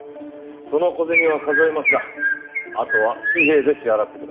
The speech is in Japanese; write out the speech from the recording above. その小銭は数えますがあとは紙幣で支払ってください。